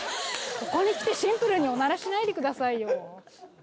ここにきてシンプルにおならしないでくださいよ。